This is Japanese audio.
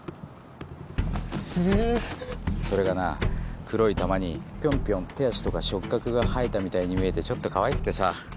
それがな黒い玉にぴょんぴょん手足とか触覚が生えたみたいに見えてちょっとかわいくてさ。